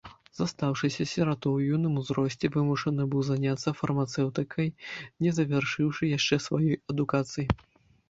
Застаўшыся сіратой ў юным узросце, вымушаны быў заняцца фармацэўтыкай, не завяршыўшы яшчэ сваёй адукацыі.